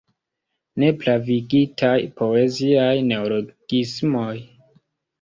Nepravigitaj poeziaj neologismoj?